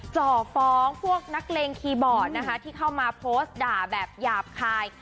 จ่อฟ้องพวกนักเลงคีย์บอร์ดนะคะที่เข้ามาโพสต์ด่าแบบหยาบคาย